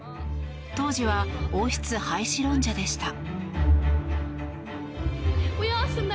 当時は王室廃止論者でした。